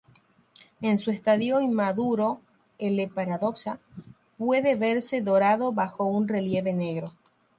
En su estadio inmaduro, "L. paradoxa", puede verse dorado bajo un relieve negro.